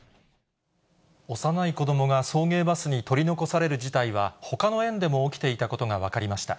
幼い子どもが送迎バスに取り残される事態は、ほかの園でも起きていたことが分かりました。